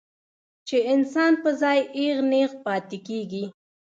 چې انسان پۀ ځائے اېغ نېغ پاتې کړي